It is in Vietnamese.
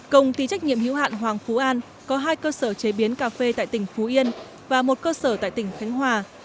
công ty trách nhiệm hiếu hạn hoàng phú an có hai cơ sở chế biến cà phê tại tỉnh phú yên và một cơ sở tại tỉnh khánh hòa